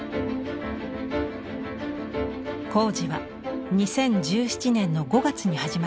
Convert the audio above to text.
工事は２０１７年の５月に始まりました。